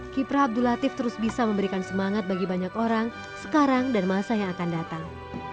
kiprah abdul latif terus bisa memberikan semangat bagi banyak orang sekarang dan masa yang akan datang